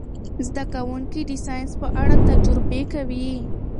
زده کوونکي د ساینس په اړه تجربې کوي.